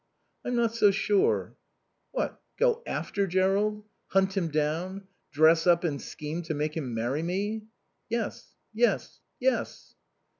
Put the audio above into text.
"I'm not so sure." "What, go after Jerrold? Hunt him down? Dress up and scheme to make him marry me?" "Yes. Yes. Yes."